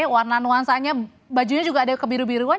warna nuansanya bajunya juga ada kebiru biruan